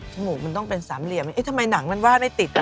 มูกมันต้องเป็นสามเหลี่ยมเอ๊ะทำไมหนังมันวาดได้ติด